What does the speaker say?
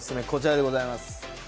こちらでございます。